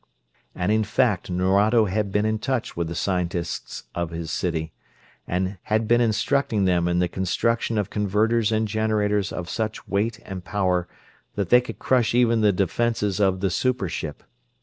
And in fact Nerado had been in touch with the scientists of his city; had been instructing them in the construction of converters and generators of such weight and power that they could crush even the defenses of the super ship.